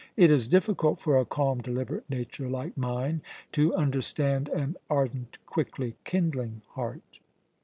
It is difficult for a calm, deliberate nature like mine to understand an ardent, quickly kindling heart."